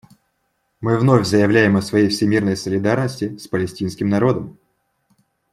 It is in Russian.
Мы вновь заявляем о своей всемерной солидарности с палестинским народом.